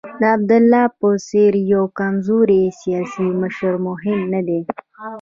د عبدالله په څېر یو کمزوری سیاسي مشر مهم نه دی.